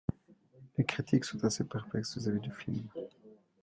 Les critiques sont assez perplexes vis-à-vis du film.